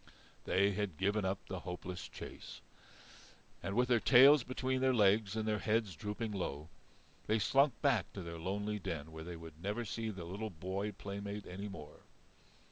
They had given up the hopeless chase. And with their tails between their legs and their heads drooping low, they slunk back to their lonely den where they would never see their little boy playmate any more.